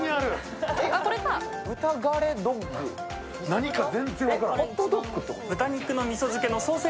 何か全然分からん。